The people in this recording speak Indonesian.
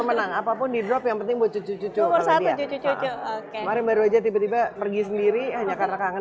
menang apapun yang penting buat cucu cucu baru aja tiba tiba pergi sendiri hanya karena kangen